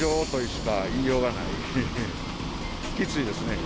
きついですね。